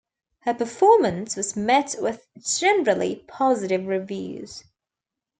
Her performance was met with generally positive reviews.